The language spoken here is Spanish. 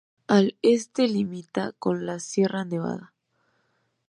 Al este limita con la sierra Nevada.